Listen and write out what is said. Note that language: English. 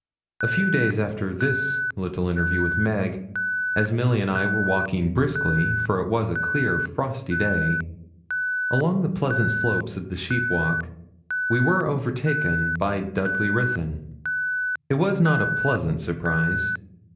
A few days after this little interview with Meg, as Milly and I were walking briskly for it was a clear frosty day along the pleasant slopes of the sheep walk, we were overtaken by Dudley Ruthyn. It was not a pleasant surprise.